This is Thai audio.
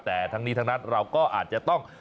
แต่ทั้งนี้ทั้งนั้นเราก็อาจจะต้อง